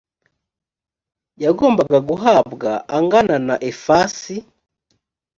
yagombaga guhabwa angana na efasi